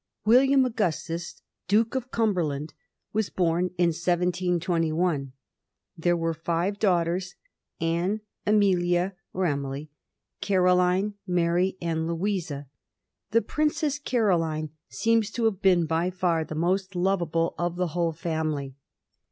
William Augustus, Duke of Cumber land, was born in 1721. There were five daughters: Anne, Amelia or Emily, Caroline, Mary, and Louisa. The Princess Caroline seems to have been by far the most lovable of the whole family.